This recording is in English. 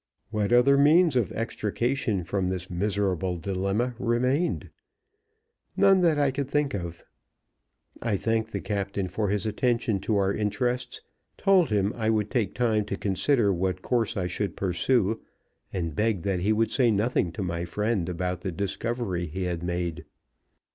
What other means of extrication from this miserable dilemma remained? None that I could think of. I thanked the captain for his attention to our interests, told him I would take time to consider what course I should pursue, and begged that he would say nothing to my friend about the discovery he had made.